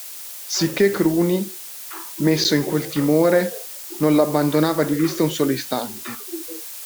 Sicché Cruni, messo in quel timore, non l'abbandonava di vista un solo istante.